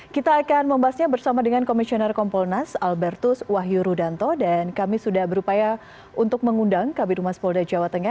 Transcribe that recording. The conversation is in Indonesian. kita akan membahasnya bersama dengan komisioner kompolnas albertus wahyu rudanto dan kami sudah berupaya untuk mengundang kabir humas polda jawa tengah